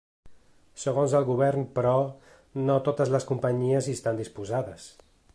Segons el govern, però, no totes les companyies hi estan disposades.